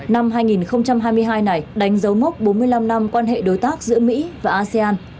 năm hai nghìn hai mươi hai này đánh dấu mốc bốn mươi năm năm quan hệ đối tác giữa mỹ và asean